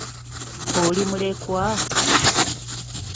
Oli mulekwa?